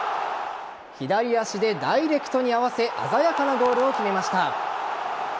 左足でダイレクトに合わせ鮮やかなゴールを決めました。